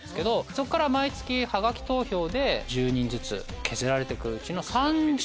そっから毎月ハガキ投票で１０人ずつ削られてくうちの。